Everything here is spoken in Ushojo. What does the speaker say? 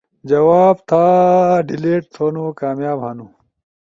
جواب تھا ڈیلیٹ تھونو کامیاب ہنو